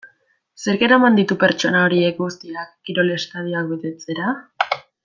Zerk eraman ditu pertsona horiek guztiak kirol estadioak betetzera?